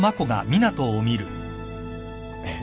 えっ？